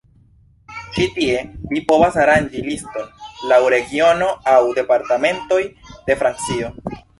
Ĉi tie, vi povas aranĝi liston laŭ regiono aŭ Departementoj de Francio.